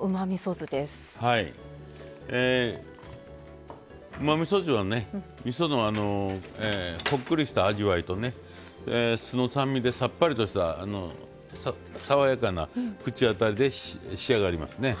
うまみそ酢みそのこっくりした味わいと酢の酸味でさっぱりとした爽やかな口当たりで仕上がりますね。